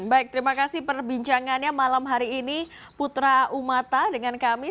baik terima kasih perbincangannya malam hari ini putra umata dengan kami